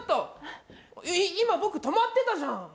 今僕止まってたじゃん。